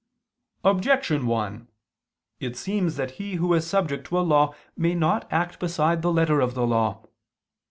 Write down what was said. Objection 1: It seems that he who is subject to a law may not act beside the letter of the law.